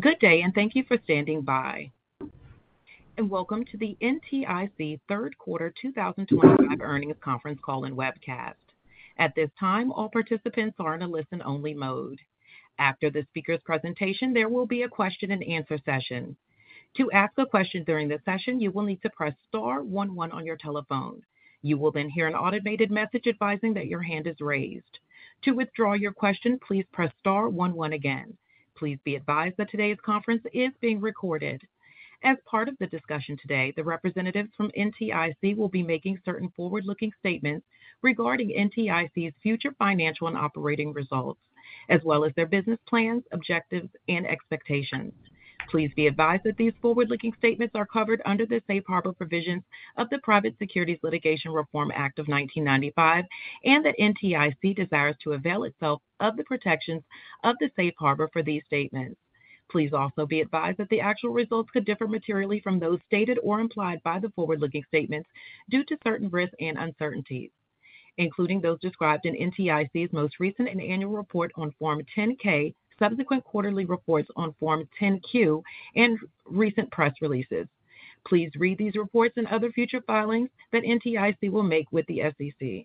Good day, and thank you for standing by. Welcome to the NTIC Third Quarter 2025 Earnings Conference Call and Webcast. At this time, all participants are in a listen-only mode. After the speaker's presentation, there will be a question and answer session. To ask a question during this session, you will need to press star one, one on your telephone. You will then hear an automated message advising that your hand is raised. To withdraw your question, please press star one, one again. Please be advised that today's conference is being recorded. As part of the discussion today, the representatives from NTIC will be making certain forward-looking statements regarding NTIC's future financial and operating results, as well as their business plans, objectives, and expectations. Please be advised that these forward-looking statements are covered under the Safe Harbor provisions of the Private Securities Litigation Reform Act of 1995, and that NTIC desires to avail itself of the protections of the Safe Harbor for these statements. Please also be advised that the actual results could differ materially from those stated or implied by the forward-looking statements due to certain risks and uncertainties, including those described in NTIC's most recent annual report on Form 10-K, subsequent quarterly reports on Form 10-Q, and recent press releases. Please read these reports and other future filings that NTIC will make with the SEC.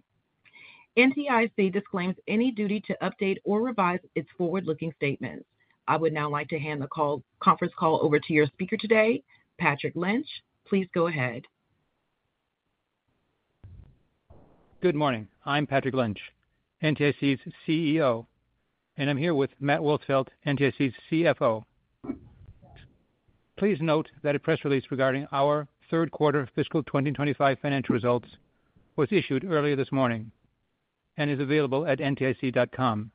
NTIC disclaims any duty to update or revise its forward-looking statements. I would now like to hand the conference call over to your speaker today, Patrick Lynch. Please go ahead. Good morning. I'm Patrick Lynch, NTIC's CEO, and I'm here with Matt Wolsfeld, NTIC's CFO. Please note that a press release regarding our third quarter fiscal 2025 financial results was issued earlier this morning and is available at ntic.com.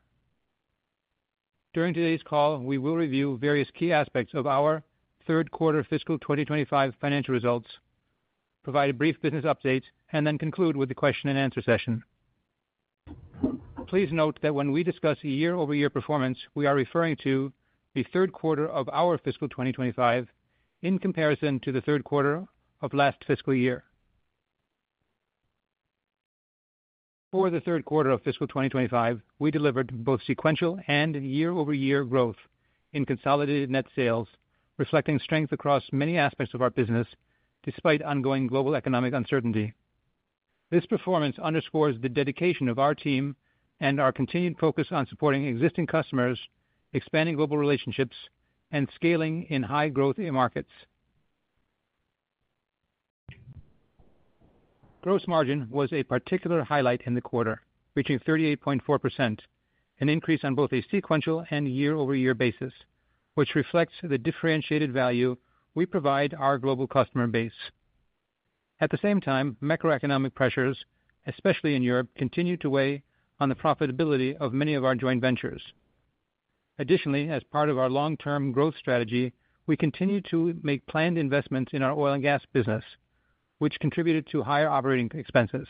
During today's call, we will review various key aspects of our third quarter fiscal 2025 financial results, provide brief business updates, and then conclude with the question and answer session. Please note that when we discuss year-over-year performance, we are referring to the third quarter of our fiscal 2025 in comparison to the third quarter of last fiscal year. For the third quarter of fiscal 2025, we delivered both sequential and year-over-year growth in consolidated net sales, reflecting strength across many aspects of our business despite ongoing global economic uncertainty. This performance underscores the dedication of our team and our continued focus on supporting existing customers, expanding global relationships, and scaling in high-growth markets. Gross margin was a particular highlight in the quarter, reaching 38.4%, an increase on both a sequential and year-over-year basis, which reflects the differentiated value we provide our global customer base. At the same time, macroeconomic pressures, especially in Europe, continue to weigh on the profitability of many of our joint ventures. Additionally, as part of our long-term growth strategy, we continue to make planned investments in our oil and gas business, which contributed to higher operating expenses.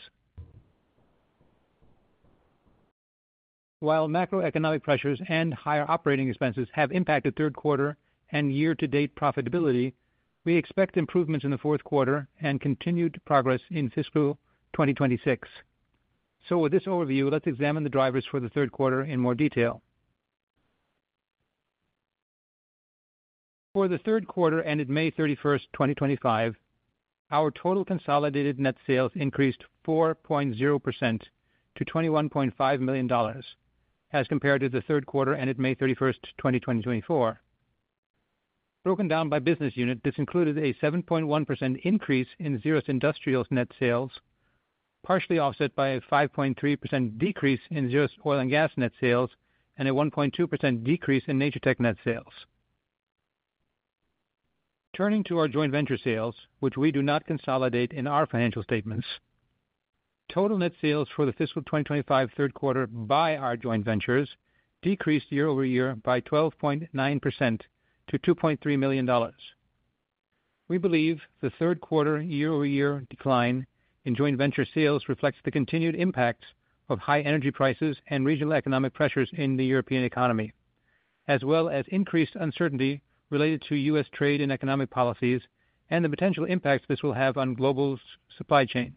While macroeconomic pressures and higher operating expenses have impacted third quarter and year-to-date profitability, we expect improvements in the fourth quarter and continued progress in fiscal 2026. With this overview, let's examine the drivers for the third quarter in more detail. For the third quarter ended May 31st, 2025, our total consolidated net sales increased 4.0% to $21.5 million as compared to the third quarter ended May 31st, 2024. Broken down by business unit, this included a 7.1% increase in ZERUST Industrial net sales, partially offset by a 5.3% decrease in ZERUST Oil & Gas net sales, and a 1.2% decrease in Natur-Tec bioplastics net sales. Turning to our joint venture sales, which we do not consolidate in our financial statements, total net sales for the fiscal 2025 third quarter by our joint ventures decreased year-over-year by 12.9% to $2.3 million. We believe the third quarter year-over-year decline in joint venture sales reflects the continued impacts of high energy prices and regional economic pressures in the European economy, as well as increased uncertainty related to U.S. trade and economic policies and the potential impacts this will have on global supply chains.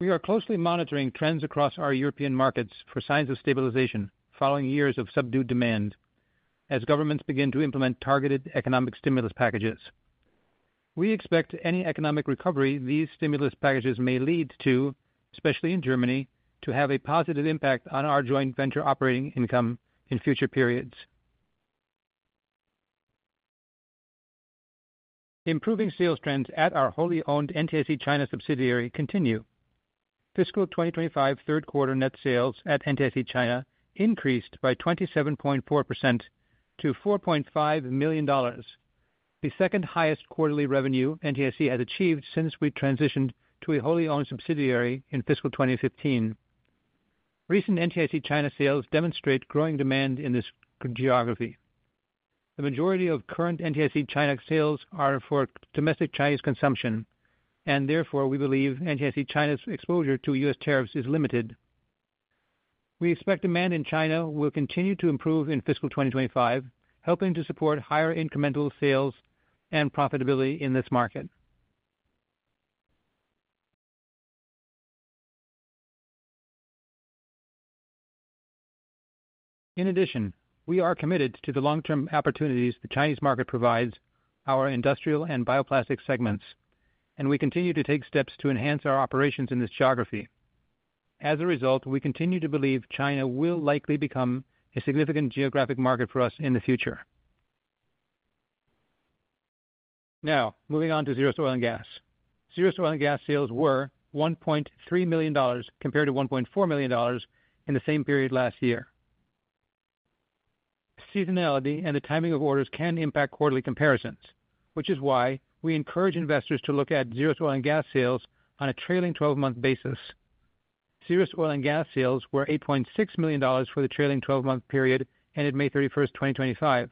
We are closely monitoring trends across our European markets for signs of stabilization following years of subdued demand as governments begin to implement targeted economic stimulus packages. We expect any economic recovery these stimulus packages may lead to, especially in Germany, to have a positive impact on our joint venture operating income in future periods. Improving sales trends at our wholly owned NTIC China subsidiary continue. Fiscal 2025 third quarter net sales at NTIC China increased by 27.4% to $4.5 million, the second highest quarterly revenue NTIC has achieved since we transitioned to a wholly owned subsidiary in fiscal 2015. Recent NTIC China sales demonstrate growing demand in this geography. The majority of current NTIC China sales are for domestic Chinese consumption, and therefore we believe NTIC China's exposure to U.S. tariffs is limited. We expect demand in China will continue to improve in fiscal 2025, helping to support higher incremental sales and profitability in this market. In addition, we are committed to the long-term opportunities the Chinese market provides our industrial and bioplastic segments, and we continue to take steps to enhance our operations in this geography. As a result, we continue to believe China will likely become a significant geographic market for us in the future. Now, moving on to ZERUST Oil & Gas. ZERUST Oil & Gas sales were $1.3 million compared to $1.4 million in the same period last year. Seasonality and the timing of orders can impact quarterly comparisons, which is why we encourage investors to look at ZERUST Oil & Gas sales on a trailing 12-month basis. ZERUST Oil & Gas sales were $8.6 million for the trailing 12-month period ended May 31st, 2025,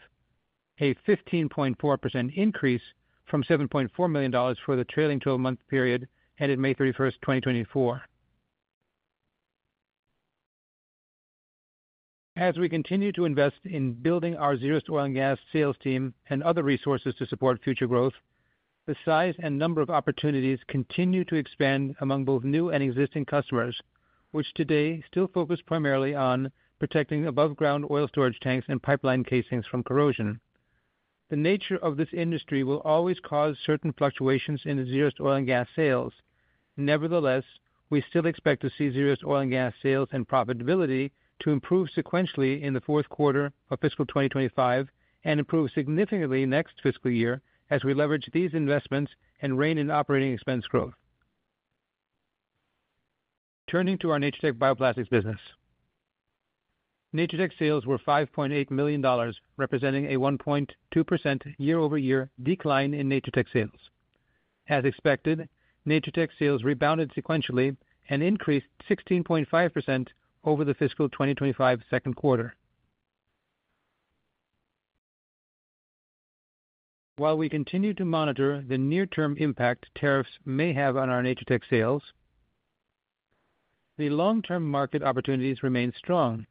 a 15.4% increase from $7.4 million for the trailing 12-month period ended May 31st, 2024. As we continue to invest in building our ZERUST Oil & Gas sales team and other resources to support future growth, the size and number of opportunities continue to expand among both new and existing customers, which today still focus primarily on protecting above-ground oil storage tanks and pipeline casings from corrosion. The nature of this industry will always cause certain fluctuations in ZERUST Oil & Gas sales. Nevertheless, we still expect to see ZERUST Oil & Gas sales and profitability improve sequentially in the fourth quarter of fiscal 2025 and improve significantly next fiscal year as we leverage these investments and rein in operating expense growth. Turning to our Natur-Tec bioplastics business, Natur-Tec sales were $5.8 million, representing a 1.2% year-over-year decline in Natur-Tec sales. As expected, Natur-Tec sales rebounded sequentially and increased 16.5% over the fiscal 2025 second quarter. While we continue to monitor the near-term impact tariffs may have on our Natur-Tec sales, the long-term market opportunities remain strong.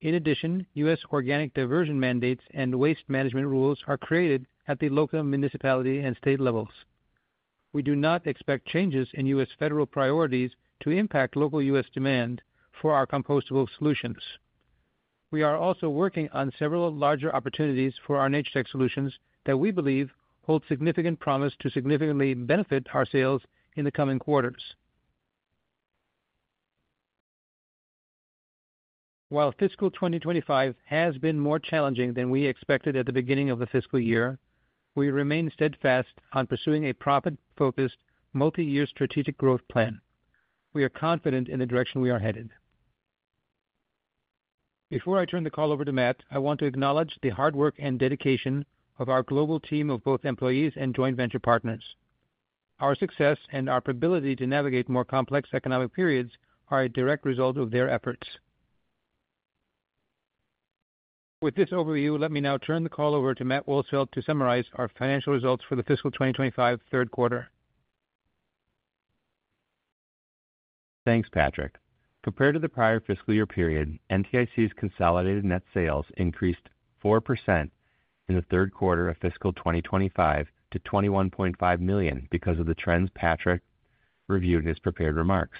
In addition, U.S. organic diversion mandates and waste management rules are created at the local, municipality, and state levels. We do not expect changes in U.S. federal priorities to impact local U.S. demand for our compostable solutions. We are also working on several larger opportunities for our Natur-Tec solutions that we believe hold significant promise to significantly benefit our sales in the coming quarters. While fiscal 2025 has been more challenging than we expected at the beginning of the fiscal year, we remain steadfast on pursuing a profit-focused, multi-year strategic growth plan. We are confident in the direction we are headed. Before I turn the call over to Matt, I want to acknowledge the hard work and dedication of our global team of both employees and joint venture partners. Our success and our ability to navigate more complex economic periods are a direct result of their efforts. With this overview, let me now turn the call over to Matt Wolsfeld to summarize our financial results for the fiscal 2025 third quarter. Thanks, Patrick. Compared to the prior fiscal year period, NTIC's consolidated net sales increased 4% in the third quarter of fiscal 2025 to $21.5 million because of the trends Patrick reviewed in his prepared remarks.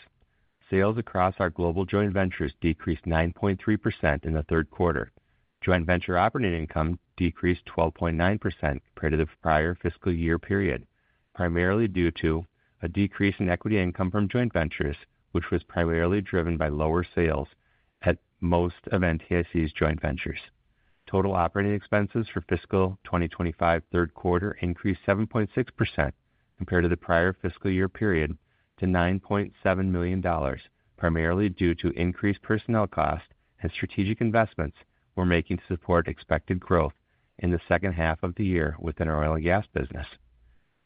Sales across our global joint ventures decreased 9.3% in the third quarter. Joint venture operating income decreased 12.9% compared to the prior fiscal year period, primarily due to a decrease in equity income from joint ventures, which was primarily driven by lower sales at most of NTIC's joint ventures. Total operating expenses for fiscal 2025 third quarter increased 7.6% compared to the prior fiscal year period to $9.7 million, primarily due to increased personnel costs and strategic investments we're making to support expected growth in the second half of the year within our oil and gas business.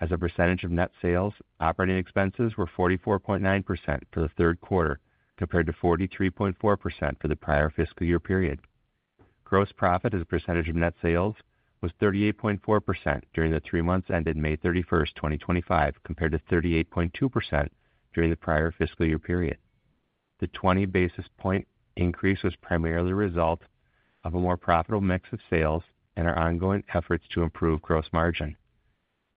As a percentage of net sales, operating expenses were 44.9% for the third quarter compared to 43.4% for the prior fiscal year period. Gross profit as a percentage of net sales was 38.4% during the three months ended May 31st, 2025, compared to 38.2% during the prior fiscal year period. The 20 basis point increase was primarily a result of a more profitable mix of sales and our ongoing efforts to improve gross margin.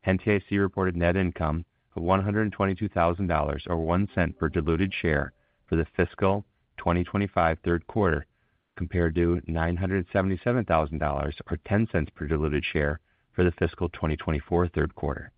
NTIC reported net income of $122,000 or $0.01 per diluted share for the fiscal 2025 third quarter, compared to $977,000 or $0.10 per diluted share for the fiscal 2024 third quarter.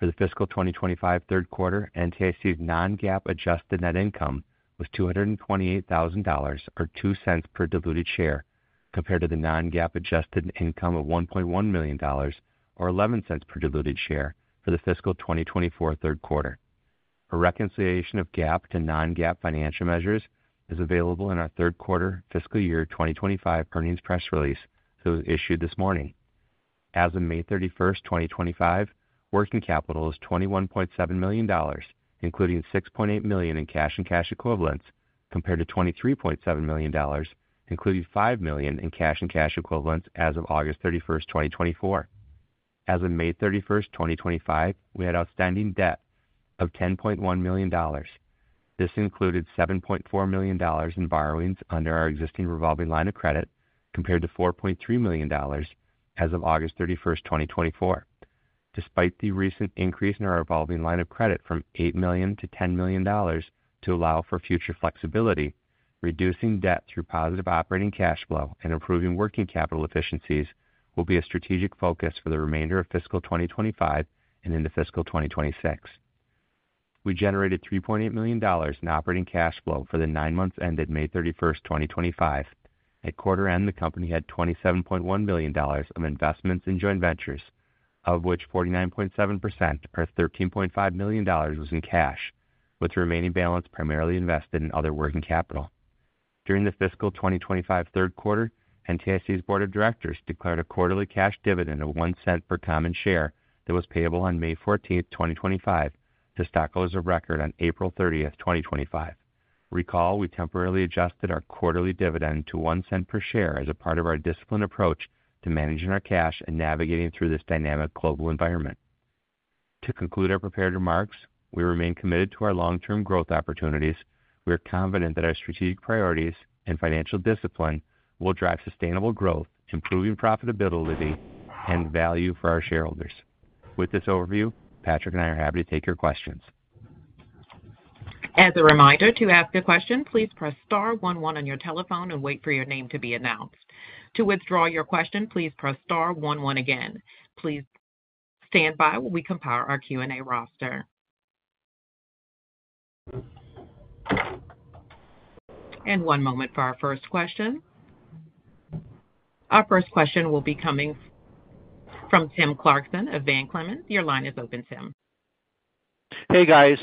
For the fiscal 2025 third quarter, NTIC's non-GAAP adjusted net income was $228,000 or $0.02 per diluted share, compared to the non-GAAP adjusted income of $1.1 million or $0.11 per diluted share for the fiscal 2024 third quarter. A reconciliation of GAAP to non-GAAP financial measures is available in our third quarter fiscal year 2025 earnings press release that was issued this morning. As of May 31st, 2025, working capital is $21.7 million, including $6.8 million in cash and cash equivalents, compared to $23.7 million, including $5 million in cash and cash equivalents as of August 31st, 2024. As of May 31st, 2025, we had outstanding debt of $10.1 million. This included $7.4 million in borrowings under our existing revolving line of credit, compared to $4.3 million as of August 31st, 2024. Despite the recent increase in our revolving line of credit from $8 million to $10 million to allow for future flexibility, reducing debt through positive operating cash flow and improving working capital efficiencies will be a strategic focus for the remainder of fiscal 2025 and into fiscal 2026. We generated $3.8 million in operating cash flow for the nine months ended May 31st, 2025. At quarter end, the company had $27.1 million of investments in joint ventures, of which 49.7% or $13.5 million was in cash, with the remaining balance primarily invested in other working capital. During the fiscal 2025 third quarter, NTIC's Board of Directors declared a quarterly cash dividend of $0.01 per common share that was payable on May 14th, 2025, to stockholders of record on April 30th, 2025. Recall, we temporarily adjusted our quarterly dividend to $0.01 per share as a part of our disciplined approach to managing our cash and navigating through this dynamic global environment. To conclude our prepared remarks, we remain committed to our long-term growth opportunities. We are confident that our strategic priorities and financial discipline will drive sustainable growth, improving profitability, and value for our shareholders. With this overview, Patrick and I are happy to take your questions. As a reminder, to ask a question, please press star one, one on your telephone and wait for your name to be announced. To withdraw your question, please press star one, one again. Please stand by while we compile our Q&A roster. One moment for our first question. Our first question will be coming from Tim Clarkson of Van Clemens. Your line is open, Tim. Hey guys,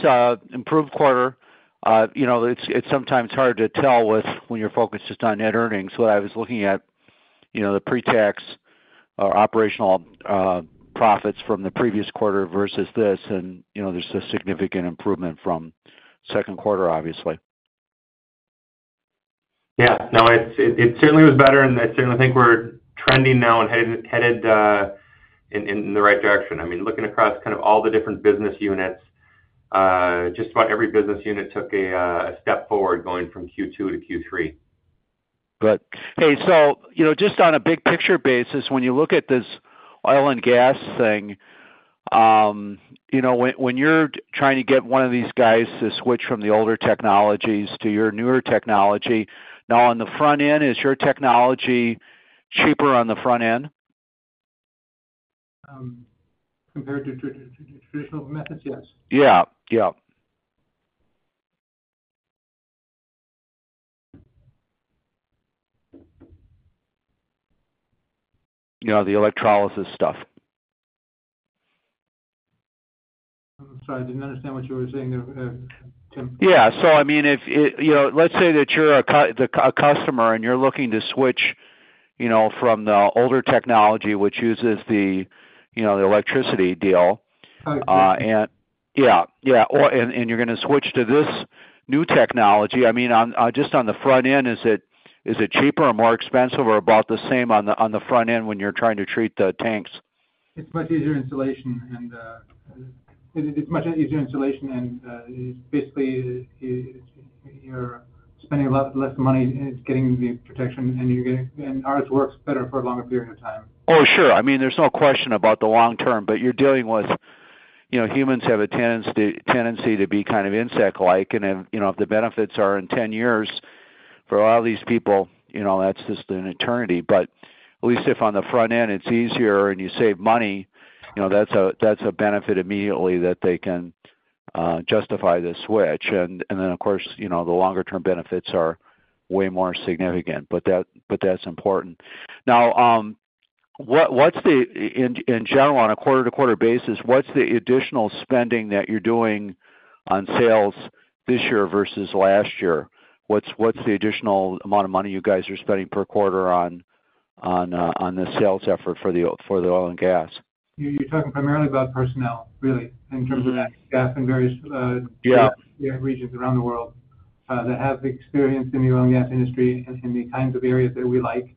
improved quarter. It's sometimes hard to tell when you're focused just on net earnings. What I was looking at, the pre-tax or operational profits from the previous quarter versus this, and there's a significant improvement from the second quarter, obviously. Yeah, no, it certainly was better, and I certainly think we're trending now and headed in the right direction. I mean, looking across kind of all the different business units, just about every business unit took a step forward going from Q2 to Q3. Right. Hey, just on a big picture basis, when you look at this oil and gas thing, when you're trying to get one of these guys to switch from the older technologies to your newer technology, on the front end, is your technology cheaper on the front end? Compared to traditional methods, yes. Yeah, you know, the electrolysis stuff. I'm sorry, I didn't understand what you were saying there, Tim. Yeah. I mean, if you know, let's say that you're a customer and you're looking to switch from the older technology, which uses the electricity deal. Okay. You're going to switch to this new technology. I mean, just on the front end, is it cheaper or more expensive or about the same on the front end when you're trying to treat the tanks? It's much easier installation, and basically, you're spending less money, and it's getting the protection, and you're getting, and ours works better for a longer period of time. Oh, sure. I mean, there's no question about the long term, but you're dealing with, you know, humans have a tendency to be kind of insect-like, and if, you know, if the benefits are in 10 years, for a lot of these people, you know, that's just an eternity. At least if on the front end it's easier and you save money, you know, that's a benefit immediately that they can justify the switch. Of course, you know, the longer-term benefits are way more significant, but that's important. Now, what's the, in general, on a quarter-to-quarter basis, what's the additional spending that you're doing on sales this year versus last year? What's the additional amount of money you guys are spending per quarter on the sales effort for the oil and gas? You're talking primarily about personnel, really, in terms of that. Okay. Gas in various regions around the world that have experience in the oil and gas industry and in the kinds of areas that we like,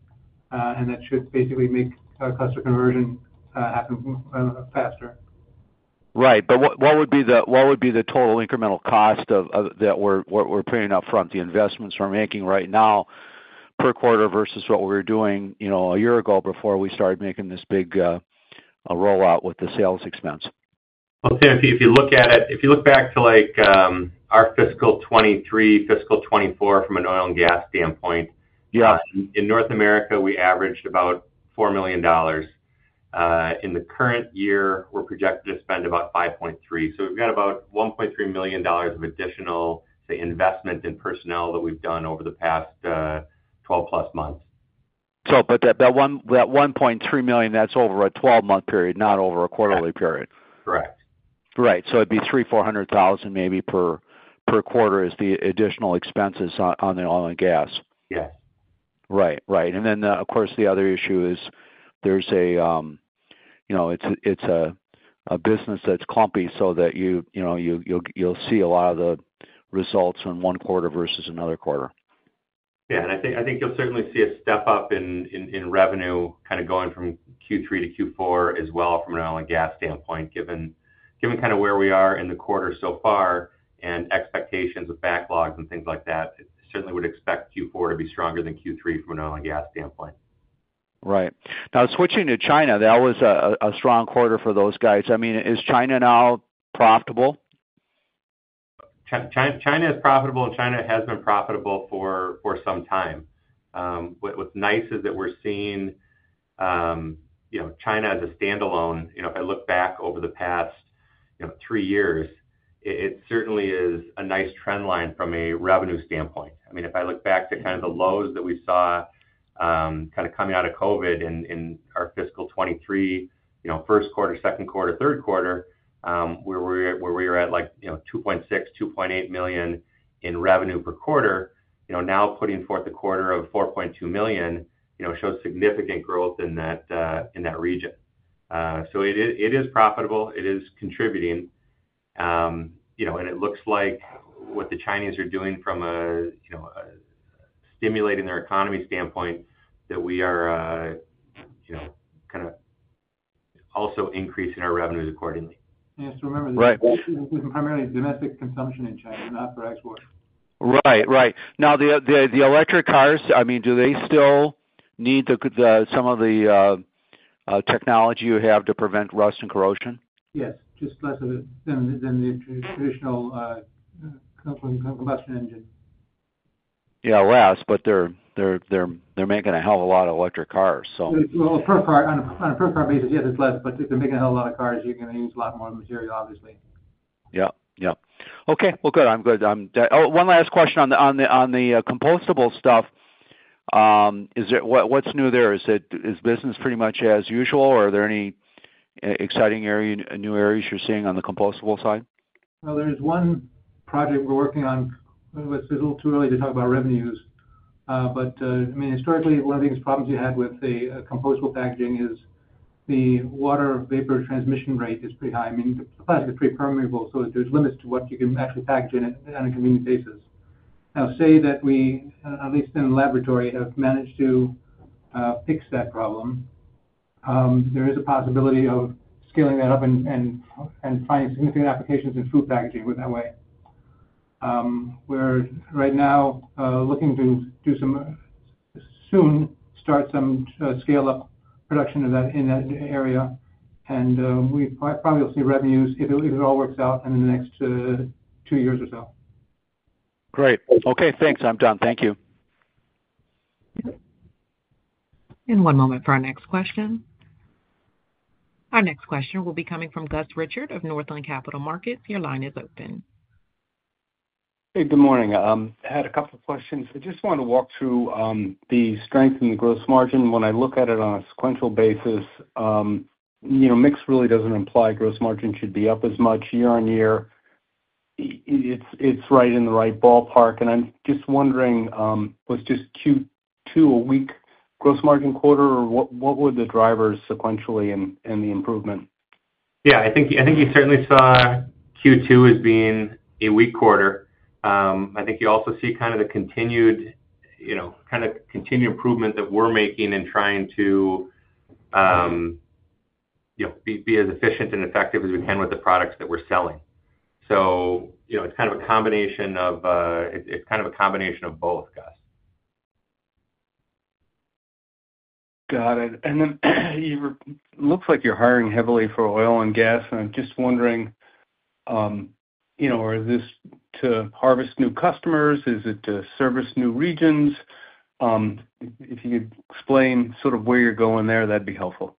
and that should basically make our customer conversion happen faster. Right. What would be the total incremental cost that we're paying up front, the investments we're making right now per quarter versus what we were doing a year ago before we started making this big rollout with the sales expense? Tim, if you look at it, if you look back to like our fiscal 2023, fiscal 2024 from an oil and gas standpoint, yeah, in North America, we averaged about $4 million. In the current year, we're projected to spend about $5.3 million. We've got about $1.3 million of additional investment in personnel that we've done over the past 12+ months. That $1.3 million is over a 12-month period, not over a quarterly period. Correct. Right. It'd be $300,000, $400,000 maybe per quarter is the additional expenses on the oil and gas. Yeah. Right. Of course, the other issue is it's a business that's clumpy, so you'll see a lot of the results in one quarter versus another quarter. Yeah, I think you'll certainly see a step up in revenue going from Q3 to Q4 as well from an oil and gas standpoint, given where we are in the quarter so far and expectations of backlogs and things like that. Certainly would expect Q4 to be stronger than Q3 from an oil and gas standpoint. Right. Now, switching to China, that was a strong quarter for those guys. I mean, is China now profitable? China is profitable, and China has been profitable for some time. What's nice is that we're seeing China as a standalone. If I look back over the past three years, it certainly is a nice trend line from a revenue standpoint. If I look back to the lows that we saw coming out of COVID in our fiscal 2023, first quarter, second quarter, third quarter, where we were at $2.6 million, $2.8 million in revenue per quarter, now putting forth a quarter of $4.2 million shows significant growth in that region. It is profitable, it is contributing, and it looks like what the Chinese are doing from a stimulating their economy standpoint, we are also increasing our revenues accordingly. You have to remember that this is primarily domestic consumption in China, not for exports. Right, right. Now, the electric cars, I mean, do they still need some of the technology you have to prevent rust and corrosion? Yes, just less of it than the traditional combustion engine. Yeah, less, but they're making a hell of a lot of electric cars, so. On a per car basis, yes, it's less, but if you're making a hell of a lot of cars, you're going to use a lot more material, obviously. Okay, I'm good. One last question on the compostable stuff. What's new there? Is business pretty much as usual, or are there any exciting new areas you're seeing on the compostable side? No. There is one project we're working on, but it's a little too early to talk about revenues. Historically, one of the biggest problems we had with the compostable packaging is the water vapor transmission rate is pretty high. The plastic is pretty permeable, so there's limits to what you can actually package in on a convenient basis. Now, say that we, at least in the laboratory, have managed to fix that problem. There is a possibility of scaling that up and finding significant applications in food packaging that way. We're right now looking to do some, soon start some scale-up production in that area, and we probably will see revenues if it all works out in the next two years or so. Great. Okay, thanks. I'm done. Thank you. One moment for our next question. Our next question will be coming from Gus Richard of Northland Capital Markets. Your line is open. Good morning. I had a couple of questions. I just wanted to walk through the strength in the gross margin. When I look at it on a sequential basis, mix really doesn't imply gross margin should be up as much year on year. It's right in the right ballpark. I'm just wondering, was Q2 a weak gross margin quarter, or what were the drivers sequentially in the improvement? I think you certainly saw Q2 as being a weak quarter. I think you also see the continued improvement that we're making in trying to be as efficient and effective as we can with the products that we're selling. It's a combination of both, Gus. Got it. It looks like you're hiring heavily for oil and gas, and I'm just wondering, is this to harvest new customers? Is it to service new regions? If you could explain sort of where you're going there, that'd be helpful.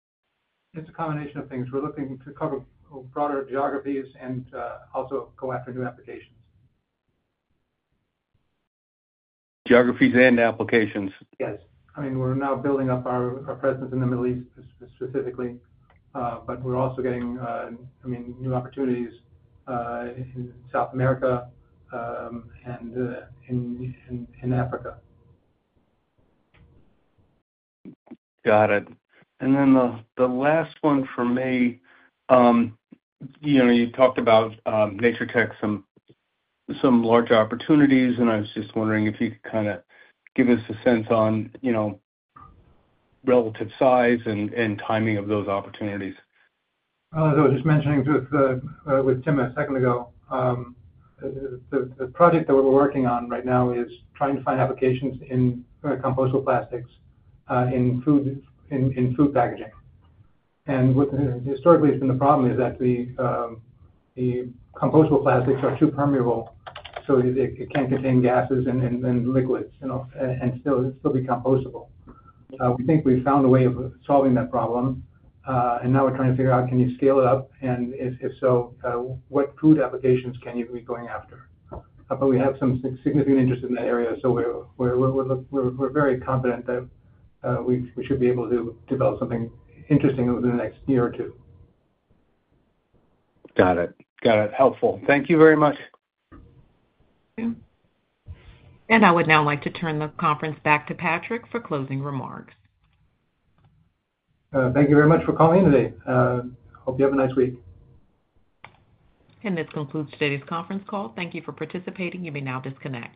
It's a combination of things. We're looking to cover broader geographies and also go after new applications. Geographies and applications. Yes. I mean, we're now building up our presence in the Middle East specifically, but we're also getting new opportunities in South America and in Africa. Got it. The last one for me, you talked about Natur-Tec, some large opportunities, and I was just wondering if you could kind of give us a sense on relative size and timing of those opportunities. As I was just mentioning with Tim a second ago, the project that we're working on right now is trying to find applications in compostable plastics in food packaging. What historically has been the problem is that the compostable plastics are too permeable, so it can't contain gases and liquids and still be compostable. We think we've found a way of solving that problem, and now we're trying to figure out, can you scale it up? If so, what food applications can you be going after? We have some significant interest in that area, so we're very confident that we should be able to develop something interesting over the next year or two. Got it. Got it. Helpful. Thank you very much. I would now like to turn the conference back to Patrick for closing remarks. Thank you very much for calling in today. Hope you have a nice week. This concludes today's conference call. Thank you for participating. You may now disconnect.